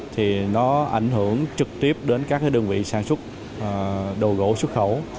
thì nó ảnh hưởng trực tiếp đến các đơn vị sản xuất đồ gỗ xuất khẩu